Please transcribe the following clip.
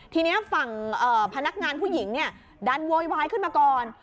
ทีนี้ฝั่งพนักงานผู้หญิงเนี่ยดันโวยวายขึ้นมาก่อน